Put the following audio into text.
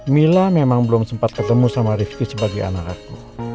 mila memang belum sempat ketemu sama rifki sebagai anak aku